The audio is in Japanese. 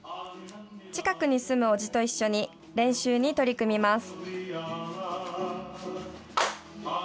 近くに住む伯父と一緒に練習に取り組みます。